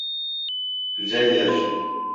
Güzel yer.